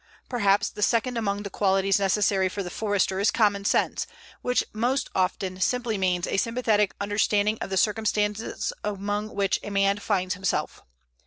Perhaps the second among the qualities necessary for the Forester is common sense, which most often simply means a sympathetic understanding of the circumstances among which a man finds himself.